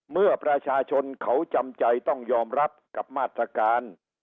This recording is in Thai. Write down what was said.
เมื่อประชาชนเขาจำใจต้องยอมรับกับมาตรการ